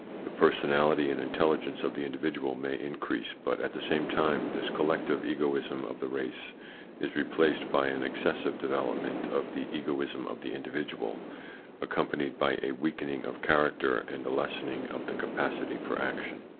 The personality and intelligence of the individual may increase, but at the same time this collective egoism of the race is replaced by an excessive development of the egoism of the individual, accompanied by a weakening of character and a lessening of the capacity for action.